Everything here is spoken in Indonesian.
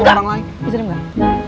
bisa dengar bisa dengar